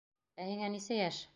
Ә һиңә нисә йәш?